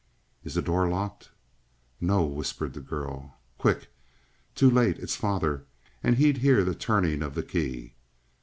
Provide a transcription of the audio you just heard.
"Is the door locked?" "No," whispered the girl. "Quick!" "Too late. It's father, and he'd hear the turning of the key."